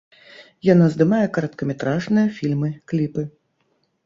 Яна здымае кароткаметражныя фільмы, кліпы.